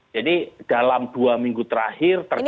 jadi dalam dua minggu terakhir terjadi